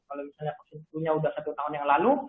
kalau misalnya vaksin flu nya sudah satu tahun yang lalu